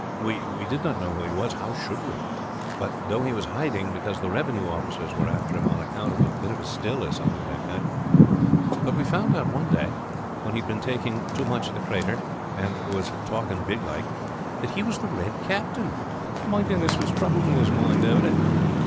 We did not know who he was how should we? but thought he was hiding because the revenue officers were after him on account of a bit of a still or something of that kind; but we found out one day, when he had been taking too much of the cratur and was talking big like, that he was the Red Captain. "My Denis was troubled in his mind over it.